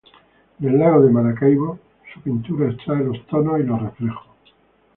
Del Lago de Maracaibo, su pintura extrae los tonos y los reflejos.